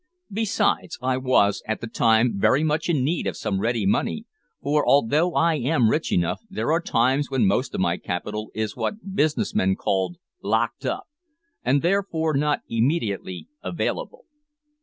Besides, I was, at the time, very much in need of some ready money, for, although I am rich enough, there are times when most of my capital is what business men called `locked up,' and therefore not immediately available.